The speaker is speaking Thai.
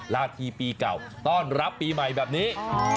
นาทีปีเก่าต้อนรับปีใหม่แบบนี้